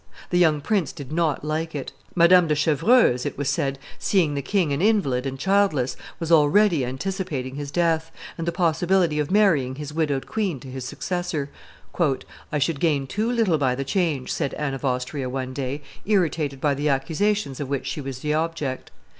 The young prince did not like it. Madame de Chevreuse, it was said, seeing the king an invalid and childless, was already anticipating his death, and the possibility of marrying his widowed queen to his successor. "I should gain too little by the change," said Anne of Austria one day, irritated by the accusations of which she was the object.